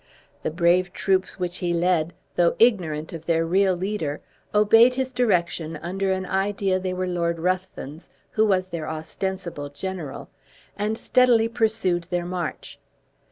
The brave troops which he led, though ignorant of their real leader, obeyed his direction under an idea they were Lord Ruthven's, who was their ostensible general, and steadily pursued their march.